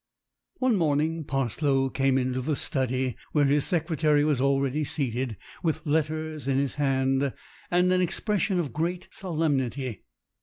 One morning Parslow came into the study, where his secretary was already seated, with letters in his hand, and an expression of great solemnity.